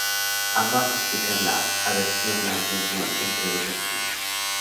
Ambas explican la aversión al riesgo entre dos opciones.